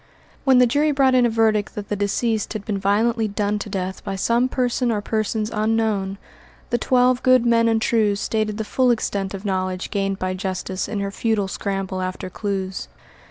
When the jury brought in a verdict that the deceased had been violently done to death by some person or persons unknown, the twelve good men and true stated the full extent of knowledge gained by Justice in her futile scramble after clues.